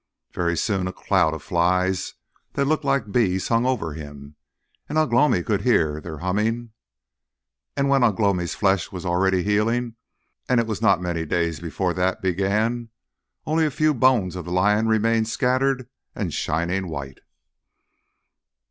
Very soon a cloud of flies that looked like bees hung over him, and Ugh lomi could hear their humming. And when Ugh lomi's flesh was already healing and it was not many days before that began only a few bones of the lion remained scattered and shining white.